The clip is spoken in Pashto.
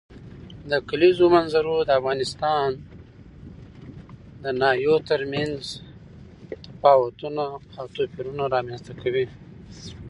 د کلیزو منظره د افغانستان د ناحیو ترمنځ تفاوتونه او توپیرونه رامنځ ته کوي.